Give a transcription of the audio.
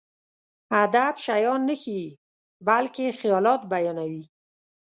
ادب شيان نه ښيي، بلکې خيالات بيانوي.